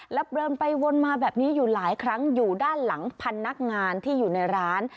แล้วเดินไปวนมาแบบนี้อยู่หลายครั้งอยู่ด้านหลังพันนักงานที่อยู่ในร้าน